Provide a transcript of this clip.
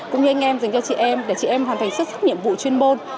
cũng như anh em dành cho chị em để chị em hoàn thành xuất sắc nhiệm vụ chuyên môn